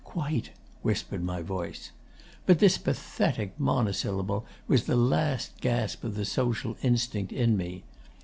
"Quite," whispered my voice. But this pathetic monosyllable was the last gasp of the social instinct in me.